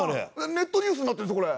ネットニュースになってるんですよこれ。